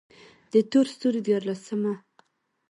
د تور ستوري ديارلسمه: